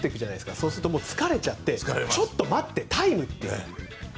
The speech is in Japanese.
そうすると疲れちゃってちょっと待って、タイムと。